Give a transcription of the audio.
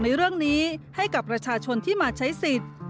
ในเรื่องนี้ให้กับประชาชนที่มาใช้สิทธิ์